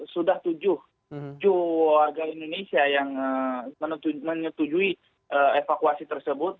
sudah tujuh warga indonesia yang menyetujui evakuasi tersebut